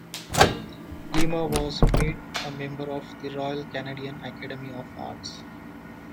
Lismer was made a member of the Royal Canadian Academy of Arts.